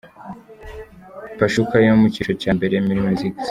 Pachuca yo mu cyiciro cya mbere muri Mexique.